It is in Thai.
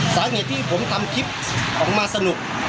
สาเหตุที่ผมทำคลิปออกมาสนุก